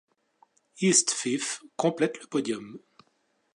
East Fife complète le podium.